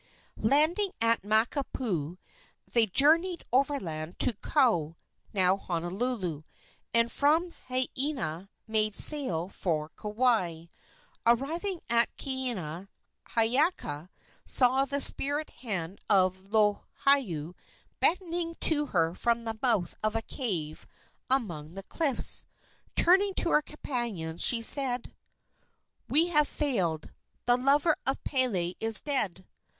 Landing at Makapuu, they journeyed overland to Kou now Honolulu and from Haena made sail for Kauai. Arriving at Kaena, Hiiaka saw the spirit hand of Lohiau beckoning to her from the mouth of a cave among the cliffs. Turning to her companions, she said: "We have failed; the lover of Pele is dead!